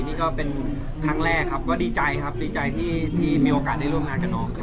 นี่ก็เป็นครั้งแรกครับก็ดีใจครับดีใจที่มีโอกาสได้ร่วมงานกับน้องครับ